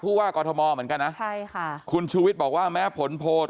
ว่ากอทมเหมือนกันนะใช่ค่ะคุณชูวิทย์บอกว่าแม้ผลโพล